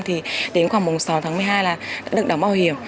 thì đến khoảng mùng sáu tháng một mươi hai là đã được đóng bảo hiểm